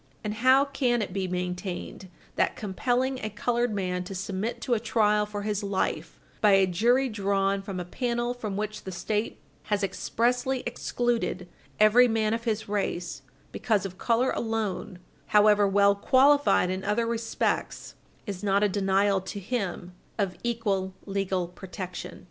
And how can it be maintained that compelling a colored man to submit to a trial for his life by a jury drawn from a panel from which the State has expressly excluded every man of his race, because of color alone, however well qualified in other respects, is not a denial to him of equal legal protection?